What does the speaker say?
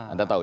anda tahu ya